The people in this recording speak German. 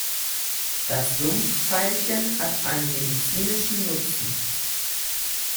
Das Sumpf-Veilchen hat einen medizinischen Nutzen.